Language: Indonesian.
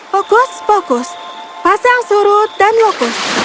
fokus fokus pasang surut dan lokus